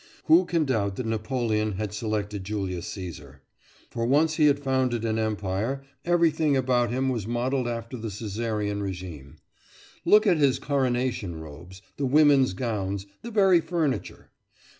Who can doubt that Napoleon had selected Julius Caesar? For, once he had founded an empire, everything about him was modelled after the Caesarean regime. Look at his coronation robes, the women's gowns the very furniture!